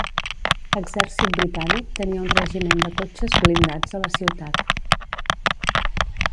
L'Exèrcit Britànic tenia un regiment de cotxes blindats a la ciutat.